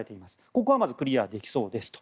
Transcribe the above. ここはまずクリアできそうですと。